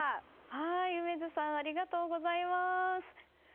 梅津さんありがとうございます。